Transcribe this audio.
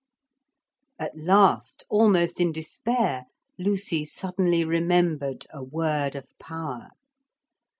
At last, almost in despair, Lucy suddenly remembered a word of power.